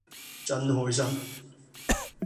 真開心